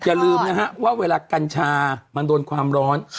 อย่าลืมนะฮะว่าเวลากัญชามันโดนความร้อน